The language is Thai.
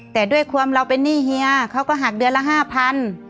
แต่ด้วยความเราเป็นหนี้เฮียเขาก็หักเดือนละ๕๐๐บาท